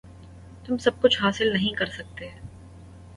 تم سب کچھ حاصل نہیں کر سکتے۔